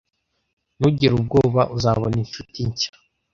Ntugire ubwoba. Uzabona inshuti nshya.